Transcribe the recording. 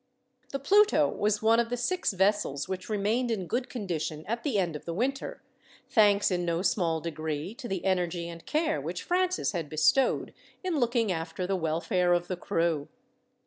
The Pluto was one of the six vessels which remained in good condition at the end of the winter, thanks, in no small degree, to the energy and care which Francis had bestowed in looking after the welfare of the crew.